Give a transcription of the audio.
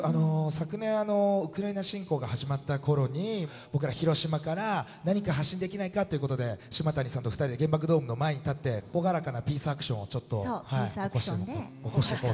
昨年ウクライナ侵攻が始まった頃に僕ら広島から何か発信できないかっていうことで島谷さんと２人で原爆ドームの前に立って朗らかなピースアクションをちょっと起こしてこうと。